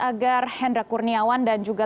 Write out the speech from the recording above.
agar hendra kurniawan dan juga